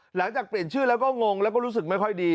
หลังจากเปลี่ยนชื่อแล้วก็งงแล้วก็รู้สึกไม่ค่อยดี